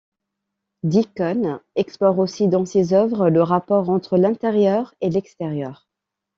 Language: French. Deacon explore aussi dans ses œuvres le rapport entre l'intérieur et l'extérieur.